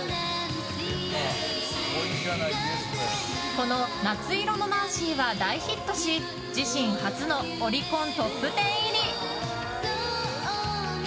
この「夏色のナンシー」が大ヒットし自身初のオリコントップ１０入り。